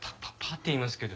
ッて言いますけど。